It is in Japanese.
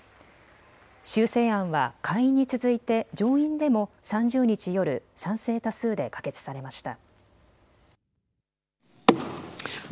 修正案は下院に続いて上院でも３０日夜、賛成多数で可決されました。